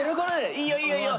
いいよいいよいいよ！